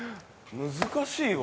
難しいわ。